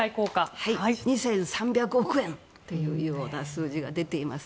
２３００億円というような数字が出ています。